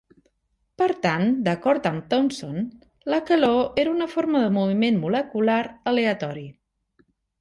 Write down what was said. Per tant, d'acord amb Thompson, la calor era una forma de moviment molecular aleatori.